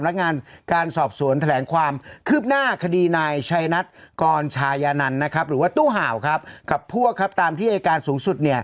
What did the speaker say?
หรือว่าตู้ห่าวครับตามที่ในยัยการสูงสุด